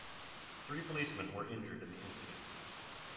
Three policemen were injured in the incident.